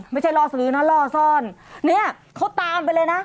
ไม่ใช่ล่อซื้อนะล่อซ่อนเนี่ยเขาตามไปเลยนะ